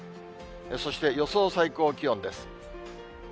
そして、予想最高気温です。